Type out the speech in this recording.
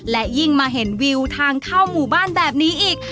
และยิ่งมาเห็นวิวทางเข้าหมู่บ้านแบบนี้อีก